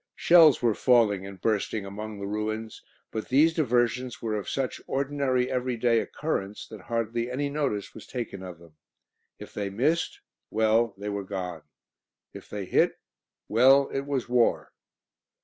Shells were falling and bursting among the ruins, but these diversions were of such ordinary, everyday occurrence that hardly any notice was taken of them. If they missed well, they were gone. If they hit well, it was war!